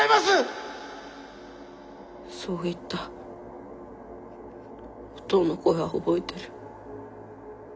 そう言ったおとうの声は覚えてる。